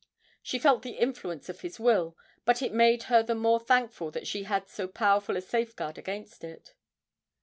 She felt the influence of his will, but it made her the more thankful that she had so powerful a safeguard against it.